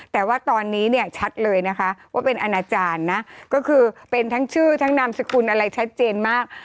แต่ว่าตอนนี้เนี่ยชัดเลยนะคะว่าเป็นอนาจารย์นะก็คือเป็นทั้งชื่อทั้งนามสกุลอะไรชัดเจนมาก